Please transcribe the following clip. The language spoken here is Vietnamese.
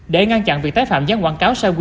để ngăn chặn việc tái phạm gián